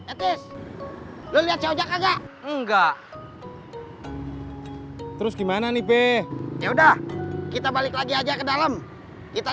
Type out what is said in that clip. etis lu lihat sojak enggak enggak terus gimana nih be ya udah kita balik lagi aja ke dalam kita